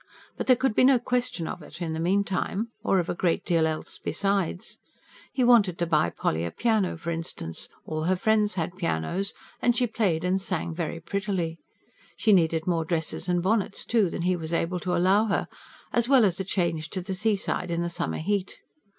But there could be no question of it in the meantime, or of a great deal else besides. He wanted to buy Polly a piano, for instance; all her friends had pianos; and she played and sang very prettily. She needed more dresses and bonnets, too, than he was able to allow her, as well as a change to the seaside in the summer heat.